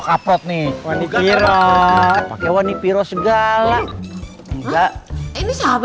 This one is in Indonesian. kita harus kerjain lagi